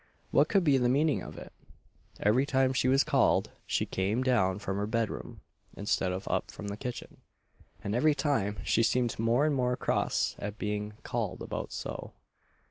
What could be the meaning of it? Every time she was called, she came down from her bed room, instead of up from the kitchen; and every time, she seemed more and more cross at being "call'd about so."